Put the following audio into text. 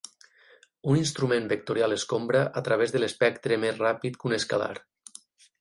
Un instrument vectorial escombra a través de l'espectre més ràpid que un escalar.